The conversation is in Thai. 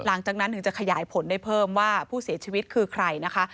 หลังจากนั้นถึงจะขยายผลได้เพิ่มว่าผู้เสียชีวิตคือใครนะคะ